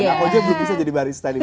aku aja belum bisa jadi barista nih bu